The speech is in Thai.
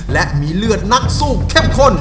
และมีเลือดนักสู้เข้มข้น